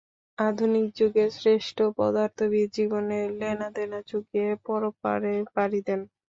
আধুনিক যুগের শ্রেষ্ঠ পদার্থবিদ জীবনের লেনাদেনা চুকিয়ে পরপারে পাড়ি দেন।